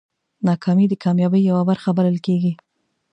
ناکامي د کامیابۍ یوه برخه بلل کېږي.